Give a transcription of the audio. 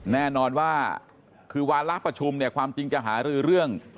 แน่นอนว่าคือวาระประชุมเนี่ยความจริงจะหารือเรื่อง